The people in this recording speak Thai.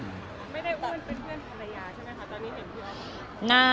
ไม่ได้ว่าเป็นเพื่อนภรรยาใช่ไหมคะตอนนี้เห็นพี่ออส